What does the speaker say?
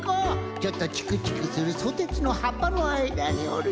ちょっとチクチクするソテツのはっぱのあいだにおるぞ。